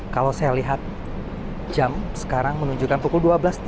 kalau saya lihat jam sekarang menunjukkan pukul dua belas tiga puluh